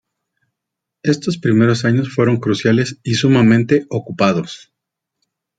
Estos primeros años fueron cruciales y sumamente ocupados.